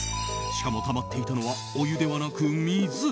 しかも、たまっていたのはお湯ではなく水！